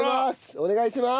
お願いします。